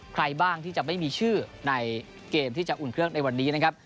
ใครบ้างที่จะไม่มีชื่อในเกมที่จะอุ่นเครื่องในวันนี้นะครับ